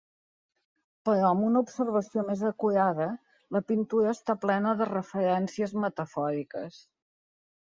Però amb una observació més acurada, la pintura està plena de referències metafòriques.